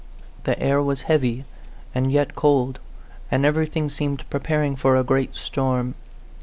The air was heavy, and yet cold, and everything seemed preparing for a great storm.